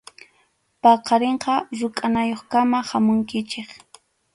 Paqarinqa rukʼanayuqkama hamunkichik.